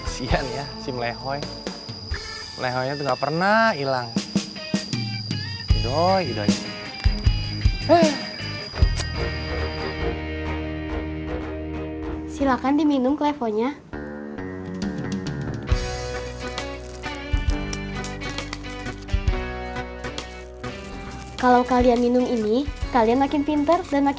sampai jumpa di video selanjutnya